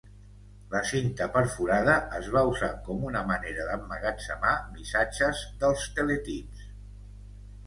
La cinta perforada es va usar com una manera d'emmagatzemar missatges dels teletips.